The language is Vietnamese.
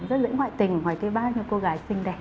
rất dễ ngoại tình ở ngoài cái bao nhiêu cô gái xinh đẹp